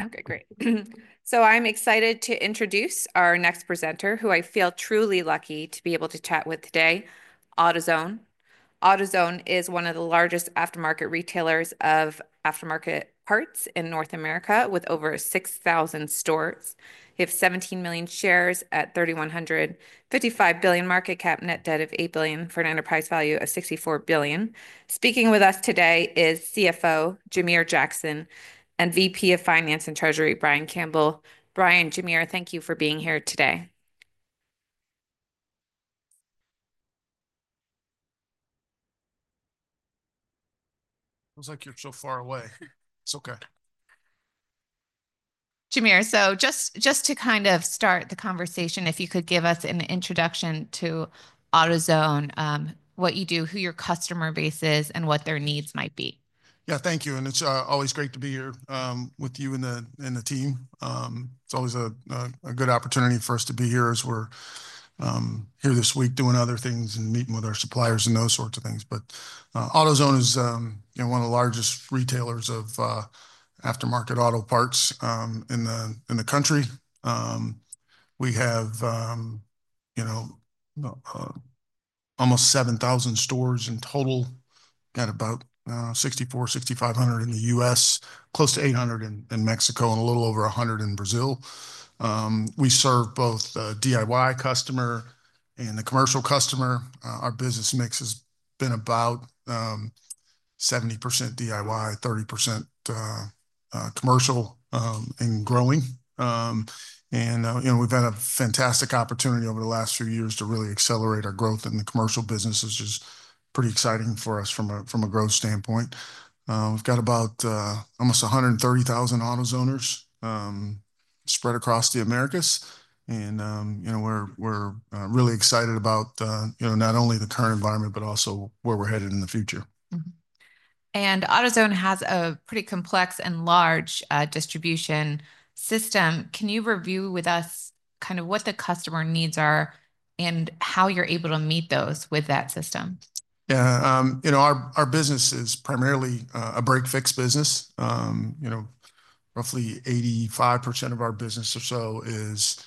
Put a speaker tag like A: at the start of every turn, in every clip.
A: Okay, great. So I'm excited to introduce our next presenter, who I feel truly lucky to be able to chat with today: AutoZone. AutoZone is one of the largest aftermarket retailers of aftermarket parts in North America, with over 6,000 stores. They have 17 million shares at a $53.155 billion market cap, net debt of $8 billion, and an enterprise value of $64 billion. Speaking with us today is CFO Jamere Jackson and VP of Finance and Treasury Brian Campbell. Brian, Jamere, thank you for being here today.
B: Sounds like you're so far away. It's okay.
A: Jamere, so just to kind of start the conversation, if you could give us an introduction to AutoZone, what you do, who your customer base is, and what their needs might be.
B: Yeah, thank you, and it's always great to be here with you and the team. It's always a good opportunity for us to be here as we're here this week doing other things and meeting with our suppliers and those sorts of things, but AutoZone is one of the largest retailers of aftermarket auto parts in the country. We have almost 7,000 stores in total, got about 6,400-6,500 in the U.S., close to 800 in Mexico, and a little over 100 in Brazil. We serve both the DIY customer and the commercial customer. Our business mix has been about 70% DIY, 30% commercial, and growing, and we've had a fantastic opportunity over the last few years to really accelerate our growth in the commercial business, which is pretty exciting for us from a growth standpoint. We've got about almost 130,000 AutoZoners spread across the Americas. We're really excited about not only the current environment, but also where we're headed in the future.
A: AutoZone has a pretty complex and large distribution system. Can you review with us kind of what the customer needs are and how you're able to meet those with that system?
B: Yeah. Our business is primarily a break-fix business. Roughly 85% of our business or so is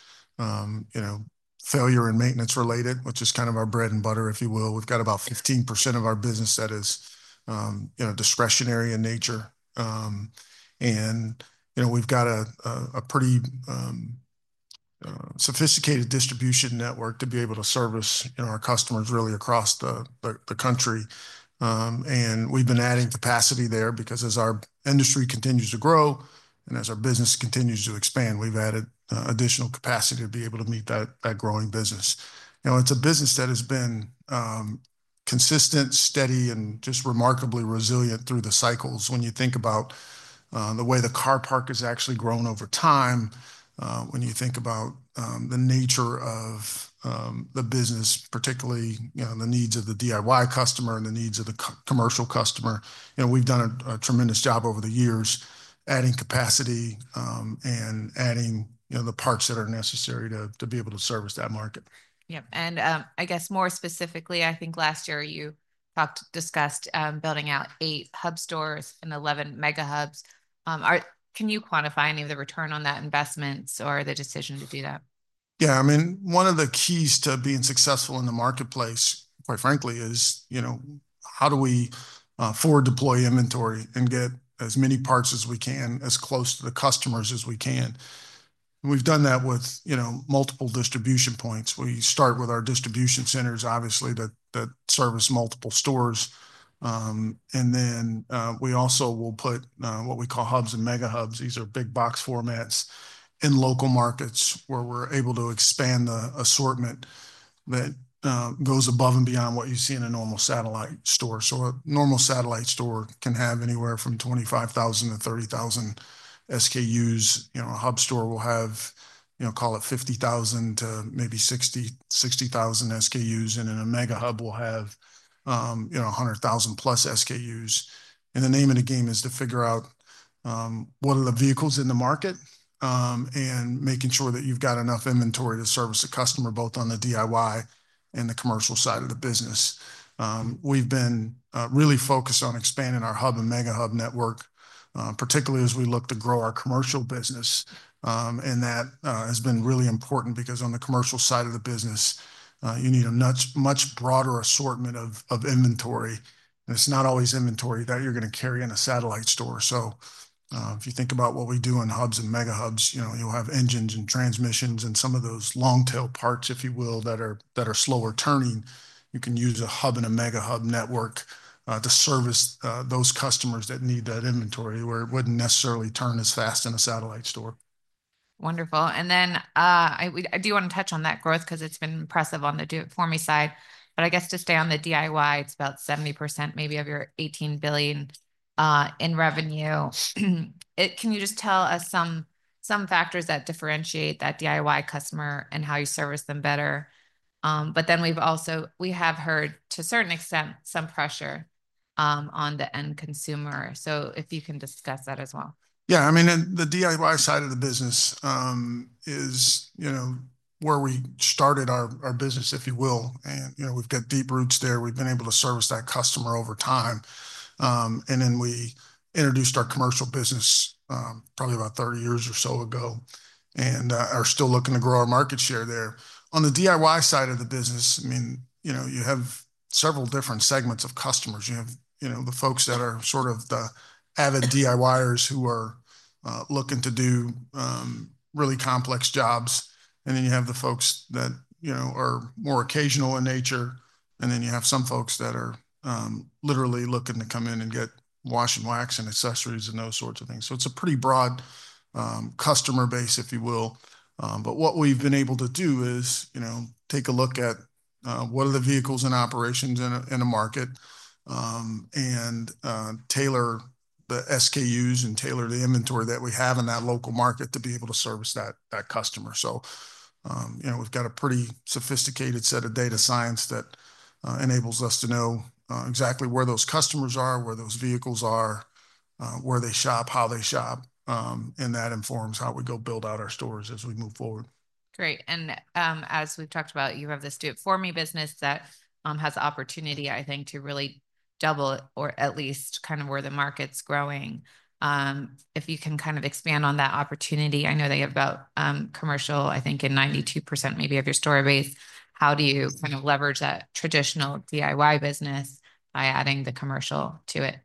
B: failure, and maintenance related, which is kind of our bread, and butter, if you will. We've got about 15% of our business that is discretionary in nature, and we've got a pretty sophisticated distribution network to be able to service our customers really across the country, and we've been adding capacity there because as our industry continues to grow, and as our business continues to expand, we've added additional capacity to be able to meet that growing business. It's a business that has been consistent, steady, and just remarkably resilient through the cycles. When you think about the way the car park has actually grown over time, when you think about the nature of the business, particularly the needs of the DIY customer and the needs of the commercial customer, we've done a tremendous job over the years adding capacity and adding the parts that are necessary to be able to service that market.
A: Yep. And I guess more specifically, I think last year you discussed building out eight Hub stores and 11 Mega Hubs. Can you quantify any of the return on that investment or the decision to do that?
B: Yeah. I mean, one of the keys to being successful in the marketplace, quite frankly, is how do we forward deploy inventory and get as many parts as we can as close to the customers as we can? We've done that with multiple distribution points. We start with our distribution centers, obviously, that service multiple stores. And then we also will put what we call hubs and mega hubs. These are big box formats in local markets where we're able to expand the assortment that goes above and beyond what you see in a normal satellite store. So a normal satellite store can have anywhere from 25,000-30,000 SKUs. A hub store will have, call it 50,000 to maybe 60,000 SKUs, and then a mega hub will have 100,000 plus SKUs. And the name of the game is to figure out what are the vehicles in the market and making sure that you've got enough inventory to service the customer both on the DIY and the commercial side of the business. We've been really focused on expanding our hub and mega hub network, particularly as we look to grow our commercial business. And that has been really important because on the commercial side of the business, you need a much broader assortment of inventory. And it's not always inventory that you're going to carry in a satellite store. So if you think about what we do in hubs and mega hubs, you'll have engines and transmissions and some of those long-tail parts, if you will, that are slower turning. You can use a Hub and a Mega Hub network to service those customers that need that inventory where it wouldn't necessarily turn as fast in a satellite store.
A: Wonderful, and then I do want to touch on that growth because it's been impressive on the do-it-for-me side, but I guess to stay on the DIY, it's about 70% maybe of your $18 billion in revenue. Can you just tell us some factors that differentiate that DIY customer and how you service them better, but then we've also, we have heard to a certain extent some pressure on the end consumer, so if you can discuss that as well.
B: Yeah. I mean, the DIY side of the business is where we started our business, if you will. And we've got deep roots there. We've been able to service that customer over time. And then we introduced our commercial business probably about 30 years or so ago and are still looking to grow our market share there. On the DIY side of the business, I mean, you have several different segments of customers. You have the folks that are sort of the avid DIYers who are looking to do really complex jobs. And then you have the folks that are more occasional in nature. And then you have some folks that are literally looking to come in, and get wash and wax and accessories, and those sorts of things. So it's a pretty broad customer base, if you will. But what we've been able to do is take a look at what are the vehicles in operation in a market and tailor the SKUs and tailor the inventory that we have in that local market to be able to service that customer. So we've got a pretty sophisticated set of data science that enables us to know exactly where those customers are, where those vehicles are, where they shop, how they shop, and that informs how we go build out our stores as we move forward.
A: Great, and as we've talked about, you have this do-It-for-me business that has the opportunity, I think, to really double or at least kind of where the market's growing. If you can kind of expand on that opportunity, I know they have about commercial, I think, in 92% maybe of your store base. How do you kind of leverage that traditional DIY business by adding the commercial to it?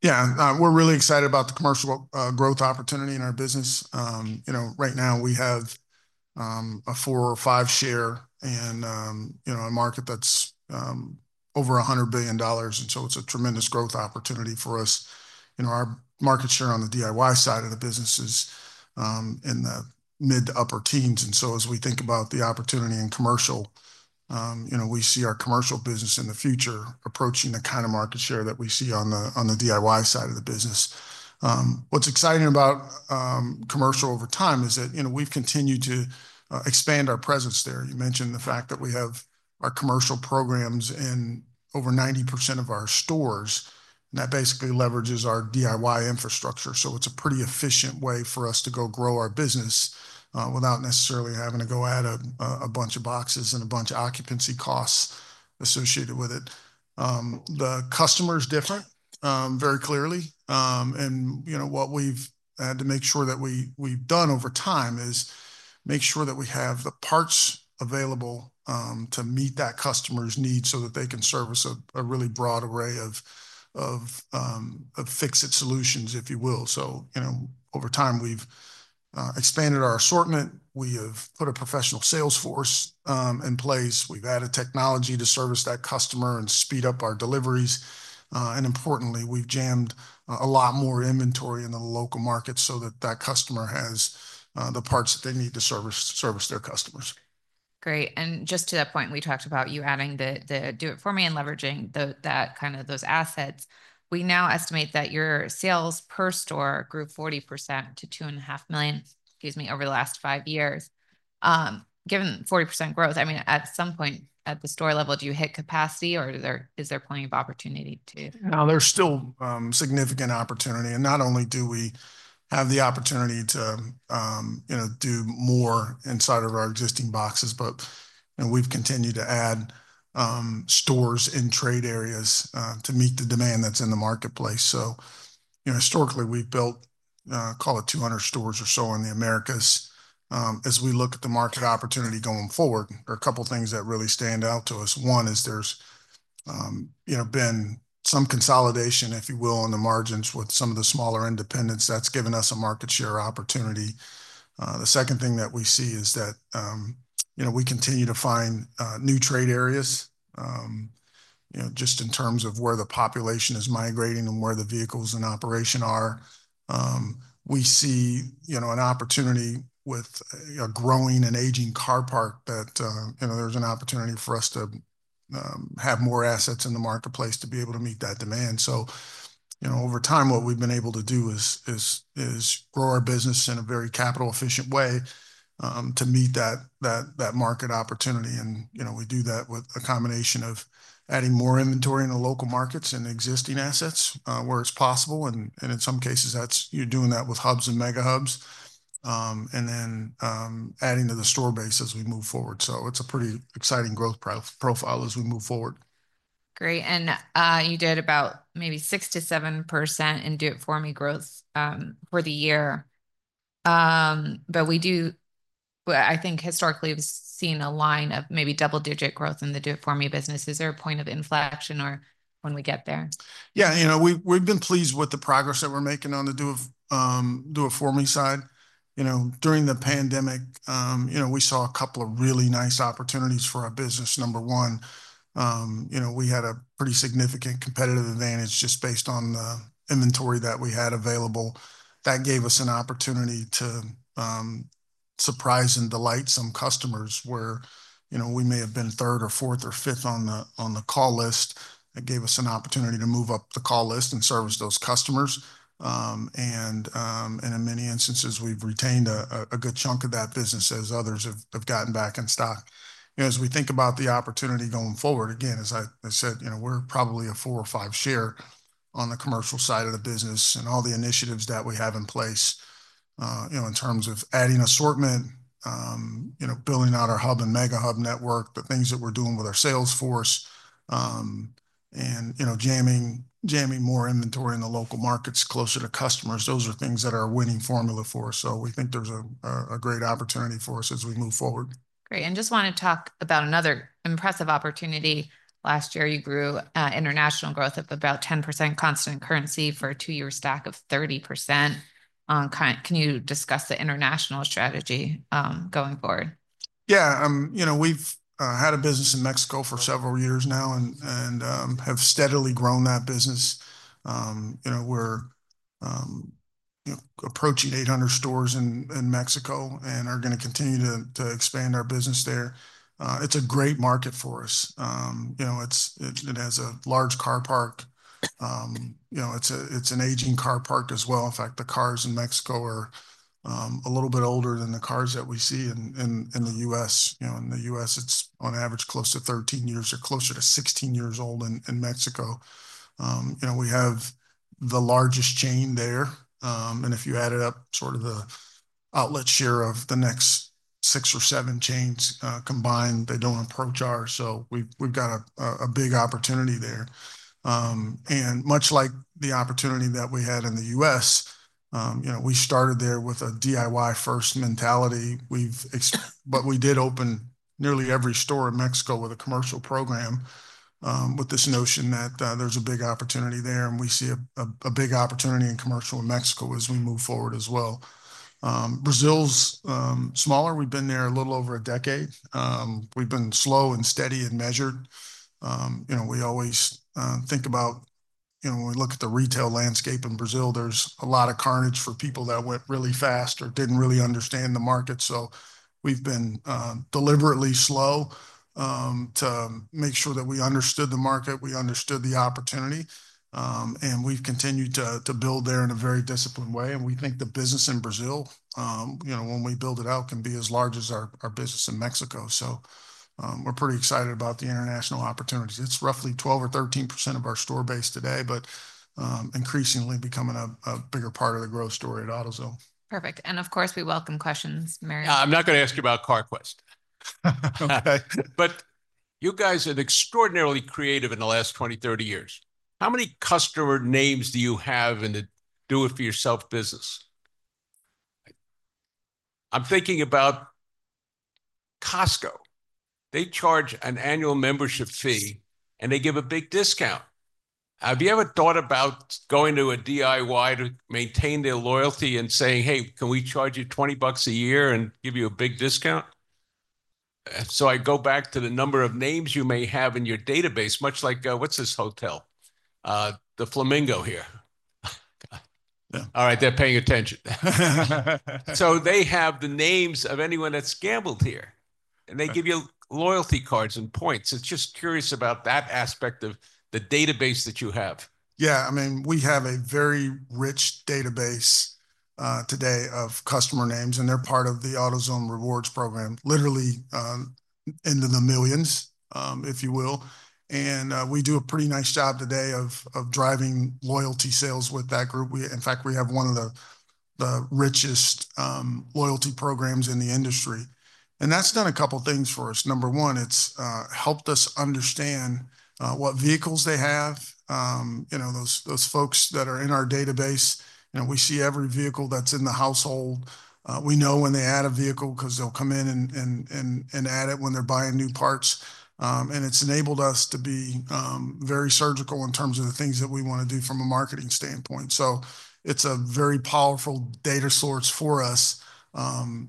B: Yeah. We're really excited about the commercial growth opportunity in our business. Right now, we have a four or five share in a market that's over $100 billion. And so it's a tremendous growth opportunity for us. Our market share on the DIY side of the business is in the mid to upper teens. And so as we think about the opportunity in commercial, we see our commercial business in the future approaching the kind of market share that we see on the DIY side of the business. What's exciting about commercial over time is that we've continued to expand our presence there. You mentioned the fact that we have our commercial programs in over 90% of our stores. And that basically leverages our DIY infrastructure. So it's a pretty efficient way for us to go grow our business without necessarily having to go add a bunch of boxes and a bunch of occupancy costs associated with it. The customer is different, very clearly. And what we've had to make sure that we've done over time is make sure that we have the parts available to meet that customer's need so that they can service a really broad array of fix-it solutions, if you will. So over time, we've expanded our assortment. We have put a professional salesforce in place. We've added technology to service that customer and speed up our deliveries. And importantly, we've jammed a lot more inventory in the local market so that that customer has the parts that they need to service their customers.
A: Great. And just to that point, we talked about you adding the do-it-for-me and leveraging that kind of those assets. We now estimate that your sales per store grew 40% to $2.5 million, excuse me, over the last five years. Given 40% growth, I mean, at some point at the store level, do you hit capacity or is there plenty of opportunity to?
B: There's still significant opportunity, and not only do we have the opportunity to do more inside of our existing boxes, but we've continued to add stores in trade areas to meet the demand that's in the marketplace, so historically, we've built, call it 200 stores or so in the Americas. As we look at the market opportunity going forward, there are a couple of things that really stand out to us. One is there's been some consolidation, if you will, on the margins with some of the smaller independents. That's given us a market share opportunity. The second thing that we see is that we continue to find new trade areas just in terms of where the population is migrating and where the vehicles in operation are. We see an opportunity with a growing and aging car park that there's an opportunity for us to have more assets in the marketplace to be able to meet that demand. So over time, what we've been able to do is grow our business in a very capital-efficient way to meet that market opportunity. And we do that with a combination of adding more inventory in the local markets and existing assets where it's possible. And in some cases, you're doing that with Hubs and Mega Hubs and then adding to the store base as we move forward. So it's a pretty exciting growth profile as we move forward.
A: Great. And you did about maybe 6% - 7% in do-it-for-me growth for the year. But I think historically, we've seen a line of maybe double-digit growth in the do-it-for-me business. Is there a point of inflection or when we get there?
B: Yeah. We've been pleased with the progress that we're making on the do-it-for-me side. During the pandemic, we saw a couple of really nice opportunities for our business. Number one, we had a pretty significant competitive advantage just based on the inventory that we had available. That gave us an opportunity to surprise and delight some customers where we may have been third or fourth or fifth on the call list. It gave us an opportunity to move up the call list and service those customers. And in many instances, we've retained a good chunk of that business as others have gotten back in stock. As we think about the opportunity going forward, again, as I said, we're probably a four or five share on the commercial side of the business and all the initiatives that we have in place in terms of adding assortment, building out our Hub and Mega Hub network, the things that we're doing with our sales force, and jamming more inventory in the local markets closer to customers. Those are things that are a winning formula for us. So we think there's a great opportunity for us as we move forward.
A: Great, and just want to talk about another impressive opportunity. Last year, you grew international growth of about 10% constant currency for a two-year stack of 30%. Can you discuss the international strategy going forward?
B: Yeah. We've had a business in Mexico for several years now and have steadily grown that business. We're approaching 800 stores in Mexico and are going to continue to expand our business there. It's a great market for us. It has a large car park. It's an aging car park as well. In fact, the cars in Mexico are a little bit older than the cars that we see in the U.S. In the U.S., it's on average close to 13 years or closer to 16 years old in Mexico. We have the largest chain there. And if you add it up, sort of the outlet share of the next six or seven chains combined, they don't approach ours. So we've got a big opportunity there. And much like the opportunity that we had in the U.S., we started there with a DIY-first mentality. But we did open nearly every store in Mexico with a commercial program with this notion that there's a big opportunity there. And we see a big opportunity in commercial in Mexico as we move forward as well. Brazil's smaller. We've been there a little over a decade. We've been slow and steady and measured. We always think about when we look at the retail landscape in Brazil, there's a lot of carnage for people that went really fast or didn't really understand the market. So we've been deliberately slow to make sure that we understood the market, we understood the opportunity. And we've continued to build there in a very disciplined way. And we think the business in Brazil, when we build it out, can be as large as our business in Mexico. So we're pretty excited about the international opportunities. It's roughly 12% or 13% of our store base today, but increasingly becoming a bigger part of the growth story at AutoZone.
A: Perfect, and of course, we welcome questions, Mary.
C: I'm not going to ask you about Carquest.
B: Okay.
C: But you guys have been extraordinarily creative in the last 20, 30 years. How many customer names do you have in the do-it-yourself business? I'm thinking about Costco. They charge an annual membership fee, and they give a big discount. Have you ever thought about going to a DIY to maintain their loyalty and saying, "Hey, can we charge you twenty bucks a year and give you a big discount?" So I go back to the number of names you may have in your database, much like, what's this hotel? The Flamingo here. All right, they're paying attention. So they have the names of anyone that's gambled here. And they give you loyalty cards and points. I'm just curious about that aspect of the database that you have.
B: Yeah. I mean, we have a very rich database today of customer names. And they're part of the AutoZone Rewards program, literally into the millions, if you will. And we do a pretty nice job today of driving loyalty sales with that group. In fact, we have one of the richest loyalty programs in the industry. And that's done a couple of things for us. Number one, it's helped us understand what vehicles they have. Those folks that are in our database, we see every vehicle that's in the household. We know when they add a vehicle because they'll come in and add it when they're buying new parts. And it's enabled us to be very surgical in terms of the things that we want to do from a marketing standpoint. So it's a very powerful data source for us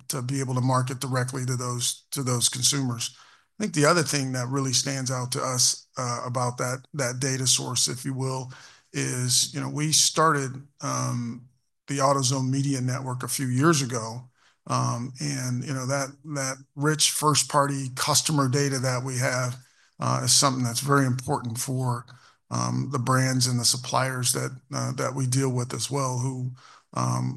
B: to be able to market directly to those consumers. I think the other thing that really stands out to us about that data source, if you will, is we started the AutoZone Media Network a few years ago, and that rich first-party customer data that we have is something that's very important for the brands and the suppliers that we deal with as well who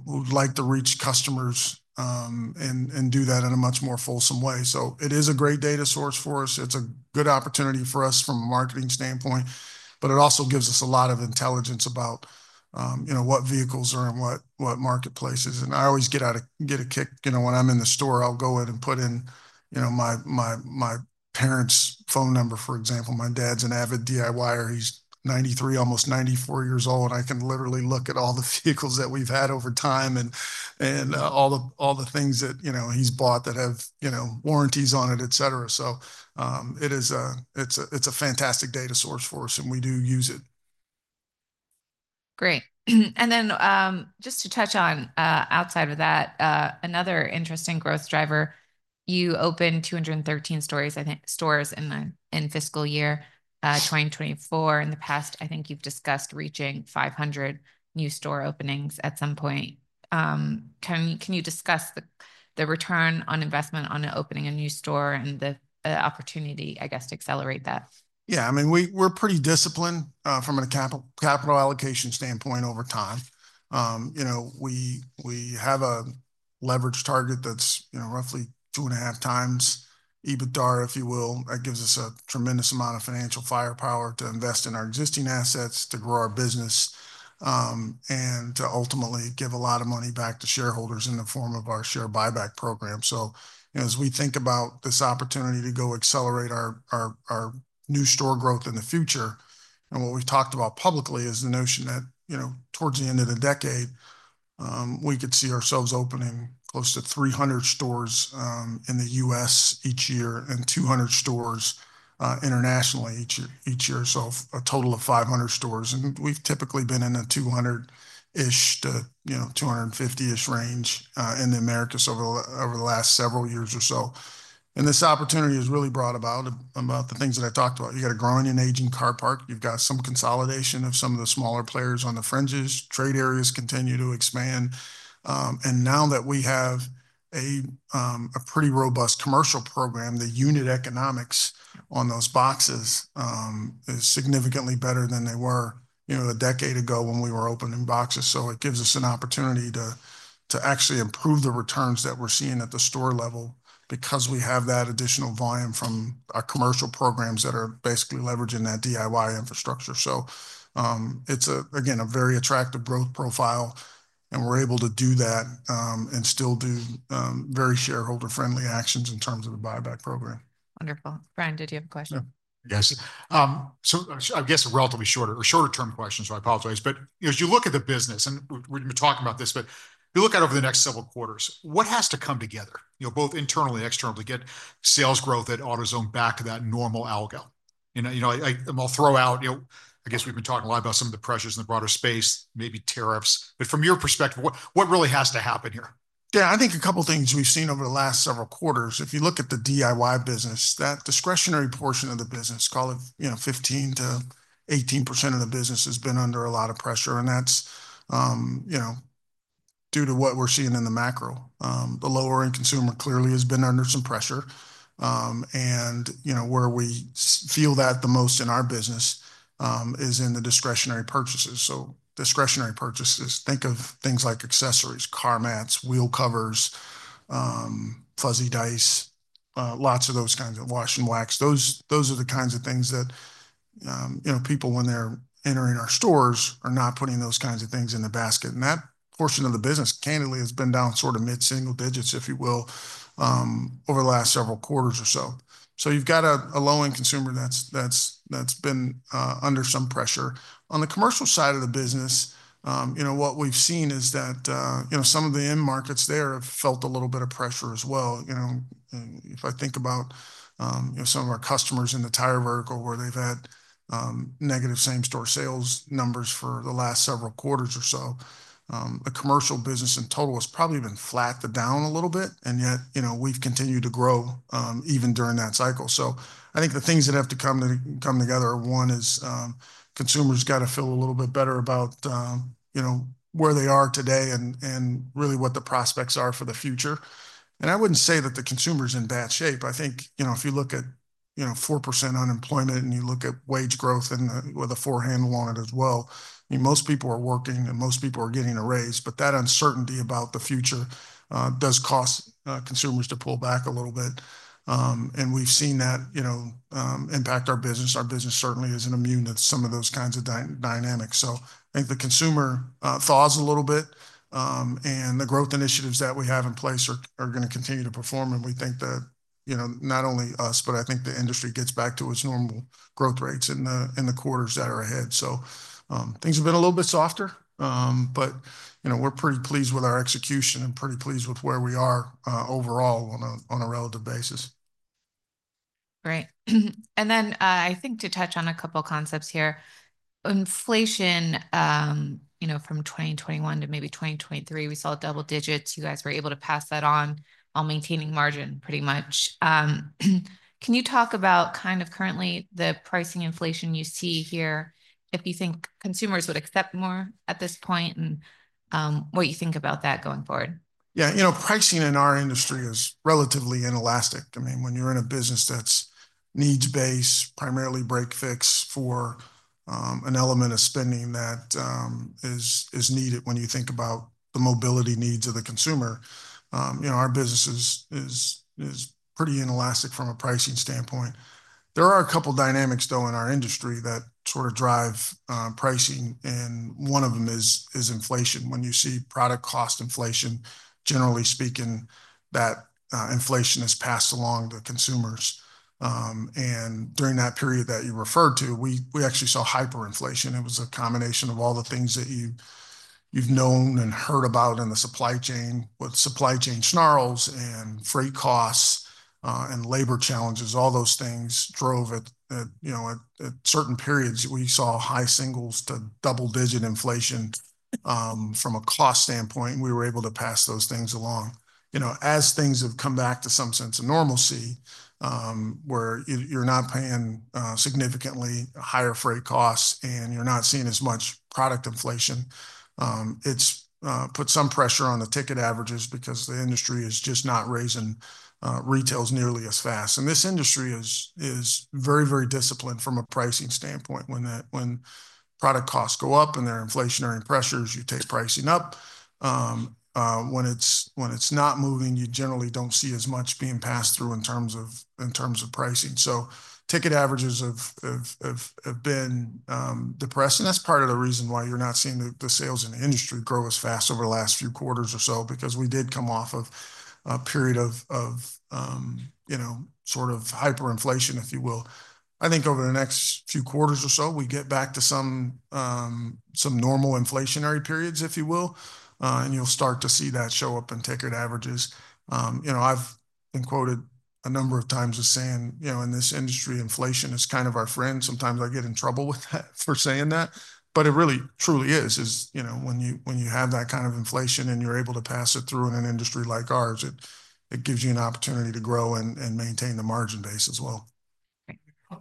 B: would like to reach customers and do that in a much more fulsome way, so it is a great data source for us. It's a good opportunity for us from a marketing standpoint, but it also gives us a lot of intelligence about what vehicles are in what marketplaces, and I always get a kick when I'm in the store. I'll go in and put in my parents' phone number, for example. My dad's an avid DIYer. He's 93, almost 94 years old. I can literally look at all the vehicles that we've had over time and all the things that he's bought that have warranties on it, etc. It's a fantastic data source for us. We do use it.
A: Great. And then just to touch on outside of that, another interesting growth driver, you opened 213 stores in fiscal year 2024. In the past, I think you've discussed reaching 500 new store openings at some point. Can you discuss the return on investment on opening a new store and the opportunity, I guess, to accelerate that?
B: Yeah. I mean, we're pretty disciplined from a capital allocation standpoint over time. We have a leverage target that's roughly two and a half times EBITDA, if you will. That gives us a tremendous amount of financial firepower to invest in our existing assets, to grow our business, and to ultimately give a lot of money back to shareholders in the form of our share buyback program. So as we think about this opportunity to go accelerate our new store growth in the future, and what we've talked about publicly is the notion that towards the end of the decade, we could see ourselves opening close to 300 stores in the US each year and 200 stores internationally each year. So a total of 500 stores. And we've typically been in a 200-ish to 250-ish range in the Americas over the last several years or so. And this opportunity is really brought about the things that I talked about. You've got a growing and aging car parc. You've got some consolidation of some of the smaller players on the fringes. Trade areas continue to expand. And now that we have a pretty robust commercial program, the unit economics on those boxes is significantly better than they were a decade ago when we were opening boxes. So it gives us an opportunity to actually improve the returns that we're seeing at the store level because we have that additional volume from our commercial programs that are basically leveraging that DIY infrastructure. So it's, again, a very attractive growth profile. And we're able to do that and still do very shareholder-friendly actions in terms of the buyback program.
A: Wonderful. Brian, did you have a question?
C: Yes. So I guess a relatively short or shorter-term question, so I apologize. But as you look at the business, and we've been talking about this, but if you look at over the next several quarters, what has to come together, both internally and externally, to get sales growth at AutoZone back to that normal algo? I'll throw out, I guess we've been talking a lot about some of the pressures in the broader space, maybe tariffs. But from your perspective, what really has to happen here?
B: Yeah. I think a couple of things we've seen over the last several quarters. If you look at the DIY business, that discretionary portion of the business, call it 15%-18% of the business has been under a lot of pressure. And that's due to what we're seeing in the macro. The lower-end consumer clearly has been under some pressure. And where we feel that the most in our business is in the discretionary purchases. So discretionary purchases, think of things like accessories, car mats, wheel covers, fuzzy dice, lots of those kinds of wash and wax. Those are the kinds of things that people, when they're entering our stores, are not putting those kinds of things in the basket. And that portion of the business, candidly, has been down sort of mid-single digits, if you will, over the last several quarters or so. So you've got a low-end consumer that's been under some pressure. On the commercial side of the business, what we've seen is that some of the end markets there have felt a little bit of pressure as well. If I think about some of our customers in the tire vertical where they've had negative same-store sales numbers for the last several quarters or so, the commercial business in total has probably been flattened down a little bit. And yet we've continued to grow even during that cycle. So I think the things that have to come together, one is consumers got to feel a little bit better about where they are today and really what the prospects are for the future. And I wouldn't say that the consumer's in bad shape. I think if you look at 4% unemployment and you look at wage growth and with a firm hand on it as well, most people are working and most people are getting a raise. But that uncertainty about the future does cause consumers to pull back a little bit. And we've seen that impact our business. Our business certainly isn't immune to some of those kinds of dynamics. So I think the consumer thaws a little bit. And the growth initiatives that we have in place are going to continue to perform. And we think that not only us, but I think the industry gets back to its normal growth rates in the quarters that are ahead. So things have been a little bit softer, but we're pretty pleased with our execution and pretty pleased with where we are overall on a relative basis.
A: Great. And then I think to touch on a couple of concepts here. Inflation from 2021 to maybe 2023, we saw double digits. You guys were able to pass that on while maintaining margin pretty much. Can you talk about kind of currently the pricing inflation you see here, if you think consumers would accept more at this point and what you think about that going forward?
B: Yeah. Pricing in our industry is relatively inelastic. I mean, when you're in a business that's needs-based, primarily break-fix for an element of spending that is needed when you think about the mobility needs of the consumer, our business is pretty inelastic from a pricing standpoint. There are a couple of dynamics, though, in our industry that sort of drive pricing. And one of them is inflation. When you see product cost inflation, generally speaking, that inflation is passed along to consumers. And during that period that you referred to, we actually saw hyperinflation. It was a combination of all the things that you've known and heard about in the supply chain with supply chain snarls and freight costs and labor challenges. All those things drove at certain periods, we saw high singles to double-digit inflation from a cost standpoint. We were able to pass those things along. As things have come back to some sense of normalcy where you're not paying significantly higher freight costs and you're not seeing as much product inflation, it's put some pressure on the ticket averages because the industry is just not raising retails nearly as fast. And this industry is very, very disciplined from a pricing standpoint. When product costs go up and there are inflationary pressures, you take pricing up. When it's not moving, you generally don't see as much being passed through in terms of pricing. So ticket averages have been depressed. And that's part of the reason why you're not seeing the sales in the industry grow as fast over the last few quarters or so because we did come off of a period of sort of hyperinflation, if you will. I think over the next few quarters or so, we get back to some normal inflationary periods, if you will. And you'll start to see that show up in ticket averages. I've been quoted a number of times as saying, in this industry, inflation is kind of our friend. Sometimes I get in trouble for saying that. But it really truly is when you have that kind of inflation and you're able to pass it through in an industry like ours, it gives you an opportunity to grow and maintain the margin base as well.
A: Thank you.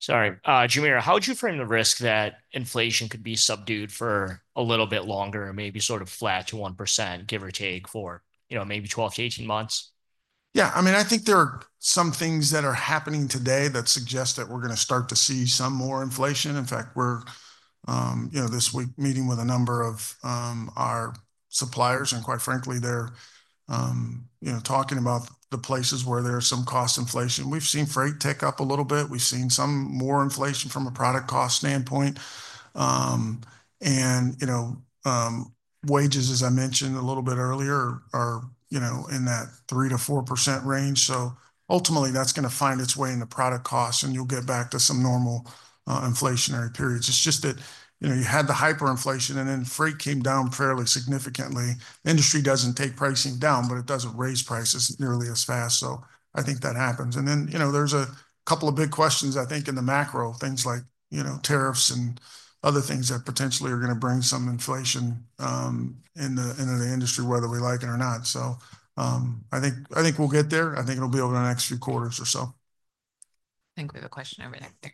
C: Sorry. Jamere, how would you frame the risk that inflation could be subdued for a little bit longer, maybe sort of flat to 1%, give or take for maybe 12-18 months?
B: Yeah. I mean, I think there are some things that are happening today that suggest that we're going to start to see some more inflation. In fact, we're this week meeting with a number of our suppliers. And quite frankly, they're talking about the places where there are some cost inflation. We've seen freight take up a little bit. We've seen some more inflation from a product cost standpoint. And wages, as I mentioned a little bit earlier, are in that 3%-4% range. So ultimately, that's going to find its way in the product costs. And you'll get back to some normal inflationary periods. It's just that you had the hyperinflation and then freight came down fairly significantly. Industry doesn't take pricing down, but it doesn't raise prices nearly as fast. So I think that happens. Then there's a couple of big questions, I think, in the macro, things like tariffs and other things that potentially are going to bring some inflation into the industry, whether we like it or not. I think we'll get there. I think it'll be over the next few quarters or so.
A: I think we have a question over there.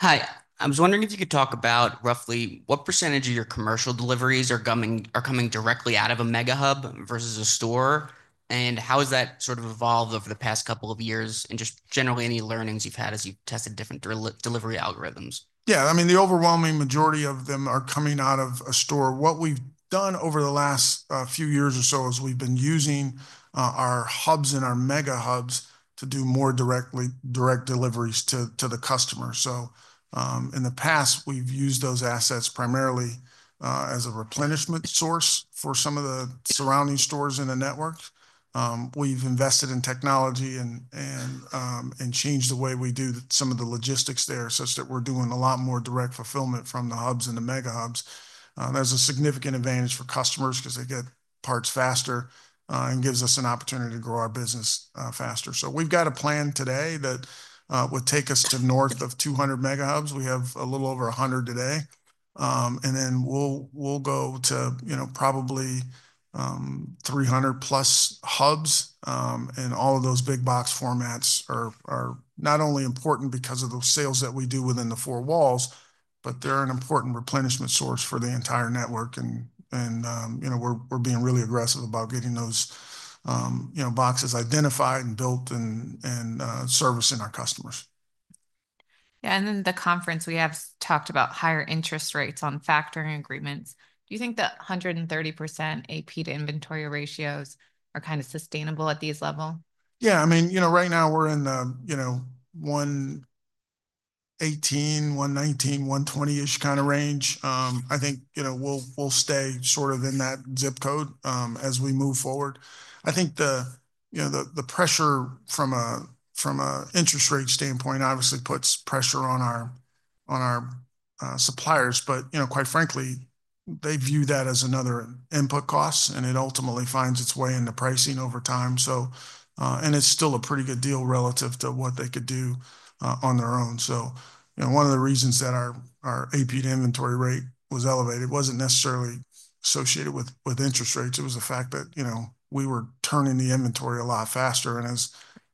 A: Hi. I was wondering if you could talk about roughly what percentage of your commercial deliveries are coming directly out of a mega hub versus a store? And how has that sort of evolved over the past couple of years? And just generally, any learnings you've had as you've tested different delivery algorithms?
B: Yeah. I mean, the overwhelming majority of them are coming out of a store. What we've done over the last few years or so is we've been using our Hubs and our Mega Hubs to do more direct deliveries to the customer. So in the past, we've used those assets primarily as a replenishment source for some of the surrounding stores in the network. We've invested in technology and changed the way we do some of the logistics there such that we're doing a lot more direct fulfillment from the Hubs and the Mega Hubs. There's a significant advantage for customers because they get parts faster and gives us an opportunity to grow our business faster. So we've got a plan today that would take us to north of 200 Mega Hubs. We have a little over 100 today. And then we'll go to probably 300-plus Hubs. All of those big box formats are not only important because of those sales that we do within the four walls, but they're an important replenishment source for the entire network. We're being really aggressive about getting those boxes identified and built and servicing our customers.
A: Yeah, and then the conference, we have talked about higher interest rates on factoring agreements. Do you think the 130% AP to inventory ratios are kind of sustainable at these levels?
B: Yeah. I mean, right now, we're in the 118, 119, 120-ish kind of range. I think we'll stay sort of in that zip code as we move forward. I think the pressure from an interest rate standpoint obviously puts pressure on our suppliers. But quite frankly, they view that as another input cost. And it ultimately finds its way into pricing over time. And it's still a pretty good deal relative to what they could do on their own. So one of the reasons that our AP to inventory rate was elevated wasn't necessarily associated with interest rates. It was the fact that we were turning the inventory a lot faster. And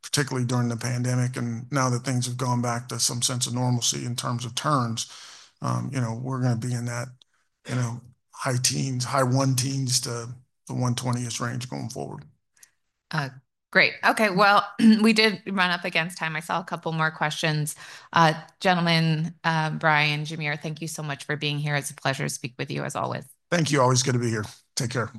B: particularly during the pandemic, and now that things have gone back to some sense of normalcy in terms of turns, we're going to be in that high teens, high one teens to the 120-ish range going forward.
A: Great. Okay. Well, we did run up against time. I saw a couple more questions. Gentlemen, Brian, Jamere, thank you so much for being here. It's a pleasure to speak with you as always.
B: Thank you. Always good to be here. Take care.